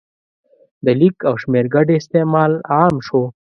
د لیک او شمېر ګډ استعمال عام شو.